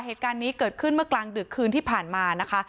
เหตุการณ์นี้เกิดขึ้นเมื่อกลางดึกคืนที่ผ่านมานะคะ